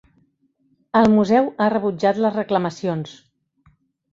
El museu ha rebutjat les reclamacions.